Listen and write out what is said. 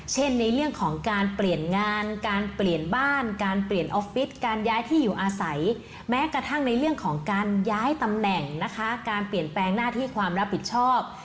เช่นในเรื่องของการเปลี่ยนงานการเปลี่ยนบ้านการเปลี่ยนออฟฟิศการย้ายที่อยู่อาศัยแม้กระทั่งในเรื่องของการย้ายตำแหน่งนะคะการเปลี่ยนแปลงหน้าที่ความรับผิดชอบ